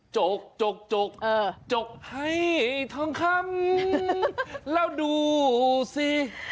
จกจกจกจกให้ทองคำแล้วดูสิ